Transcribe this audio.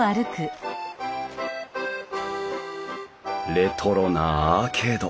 レトロなアーケード。